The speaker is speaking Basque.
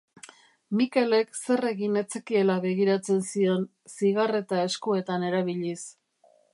Mikelek zer egin ez zekiela begiratzen zion, zigarreta eskuetan erabiliz.